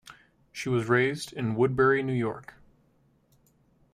She was raised in Woodbury, New York.